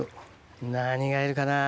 何がいるかな？